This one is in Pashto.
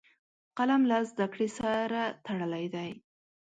قلم له زده کړې سره تړلی دی